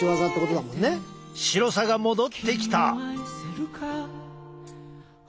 白さが戻ってきた。